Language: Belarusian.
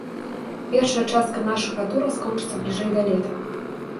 Першая частка нашага тура скончыцца бліжэй да лета.